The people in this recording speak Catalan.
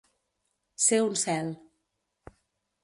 Ser un cel.